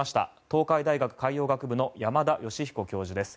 東海大学海洋学部の山田吉彦教授です。